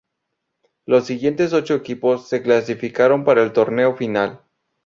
Los siguientes ocho equipos se clasificaron para el torneo final.